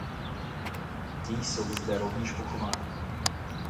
Ti jsou zde rovněž pochováni.